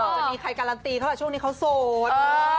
ไม่มีใครการันตีเขาแหละช่วงนี้เขาโสด